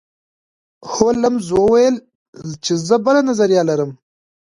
هولمز وویل چې زه بله نظریه لرم.